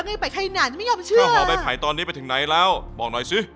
นี่เป็นแป้งข้าวพอร์ต